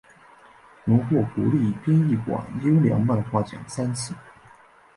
荣获国立编译馆优良漫画奖三次。